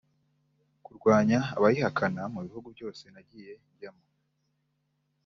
Kurwanya abayihakana mu bihugu byose nagiye njyamo